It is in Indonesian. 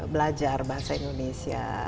belajar bahasa indonesia